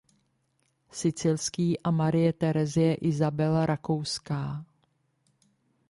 Sicilský a Marie Terezie Izabela Rakouská.